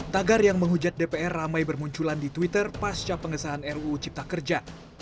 tagar yang menghujat dpr ramai bermunculan di twitter pasca pengesahan ruu cipta kerja